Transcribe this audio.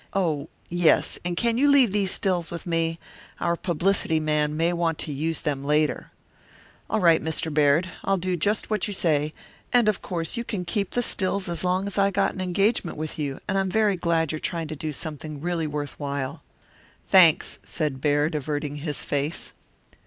Oh, yes, and can you leave these stills with me? Our publicity man may want to use them later." "All right, Mr. Baird, I'll do just what you say, and of course you can keep the stills as long as I got an engagement with you, and I'm very glad you're trying to do something really worth while." "Thanks," said Baird, averting his face.